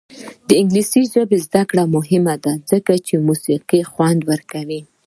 د انګلیسي ژبې زده کړه مهمه ده ځکه چې موسیقي خوند ورکوي.